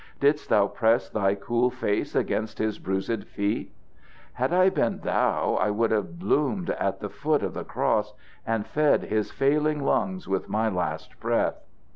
Didst thou press thy cool face against his bruised feet? Had I been thou, I would have bloomed at the foot of the cross, and fed his failing lungs with my last breath.